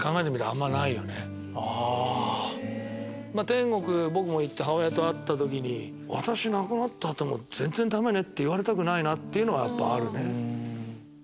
天国僕も行って母親と会った時に「私亡くなった後も全然ダメね」って言われたくないなっていうのはやっぱあるね。